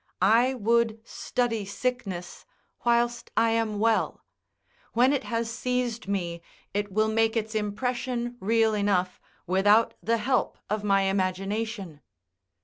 I would study sickness whilst I am well; when it has seized me, it will make its impression real enough, without the help of my imagination.